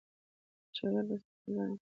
چرګ د سحر اذان وکړ.